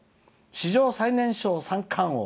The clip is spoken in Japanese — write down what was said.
「史上最年少三冠王」。